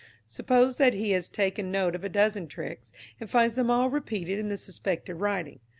Suppose that he has taken note of a dozen tricks, and finds them all repeated in the suspected writing.